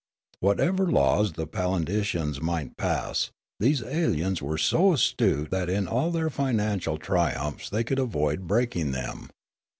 Whatever laws the Palindicians might pass, these aliens were so astute that in all their financial triumphs they could avoid breaking them.